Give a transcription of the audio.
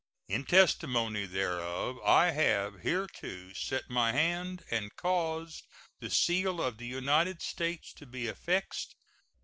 In testimony whereof I have hereto set my hand and caused the seal of the United States to be affixed.